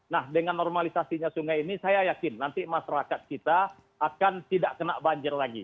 nah dengan normalisasinya sungai ini saya yakin nanti masyarakat kita akan tidak kena banjir lagi